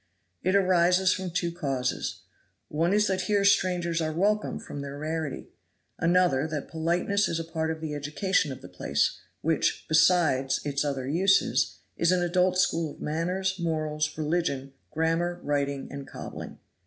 It arises from two causes. One is that here strangers are welcome from their rarity; another, that politeness is a part of the education of the place, which, besides its other uses, is an adult school of manners, morals, religion, grammar, writing and cobbling.